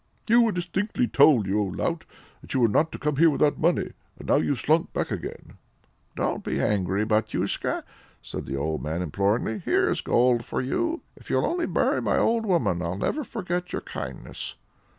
"You were distinctly told, you old lout, that you were not to come here without money; and now you've slunk back again." "Don't be angry, batyushka," said the old man imploringly. "Here's gold for you. If you'll only bury my old woman, I'll never forget your kindness."